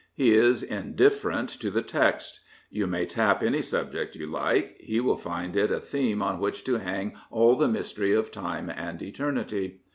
He is indifferent to the text. You may tap any subject you like: he will find it a theme on which to hang all the mystery of time and eternity.